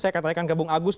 saya katakan ke bung agus